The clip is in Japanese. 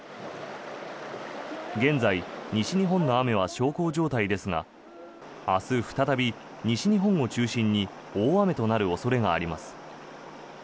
現在、西日本の雨は小康状態ですが明日再び西日本を中心に大雨となる恐れがあります。